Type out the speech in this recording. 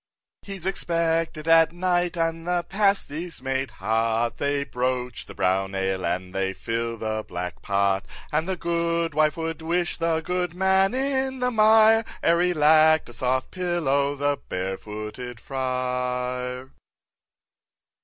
6. He's expected at night, and the pasty's made hot, They broach the brown ale, and they fill the black pot, And the goodwife would wish the goodman in the mire, Ere he lack'd a soft pillow, the Barefooted Friar.